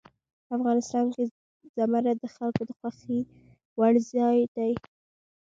افغانستان کې زمرد د خلکو د خوښې وړ ځای دی.